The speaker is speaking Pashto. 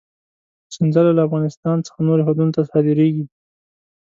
سنځله له افغانستان څخه نورو هېوادونو ته صادرېږي.